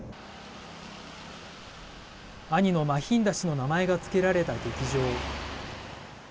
兄のマヒンダ氏の名前が付けられた劇場。